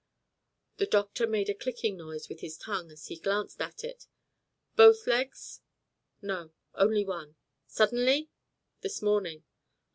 The doctor made a clicking noise with his tongue as he glanced at it. "Both legs?" "No, only one." "Suddenly?" "This morning."